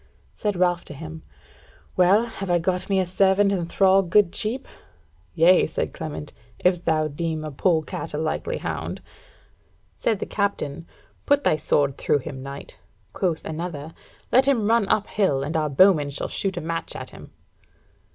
Said Ralph to him: "Well, have I got me a servant and thrall good cheap?" "Yea," said Clement, "if thou deem a polecat a likely hound." Said the Captain: "Put thy sword through him, knight." Quoth another: "Let him run up hill, and our bowmen shall shoot a match at him."